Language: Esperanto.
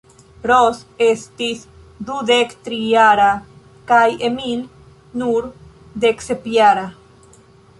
Ros estis dudektrijara kaj Emil nur deksepjara.